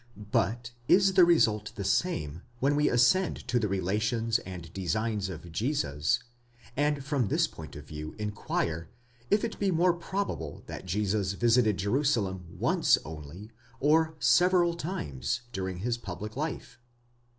But is the result the same when we ascend to the relations and designs of Jesus, and from this point of view inquire, if it be more probable that Jesus visited Jerusalem once only or several times during his public life